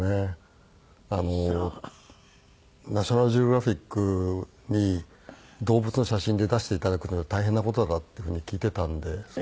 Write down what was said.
『ナショナルジオグラフィック』に動物の写真で出して頂くのは大変な事だっていうふうに聞いていたので。